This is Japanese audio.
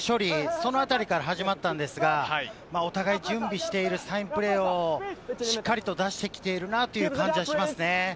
そのあたりから始まったんですが、お互い、準備しているサインプレーをしっかりと出してきているなという感じがしますね。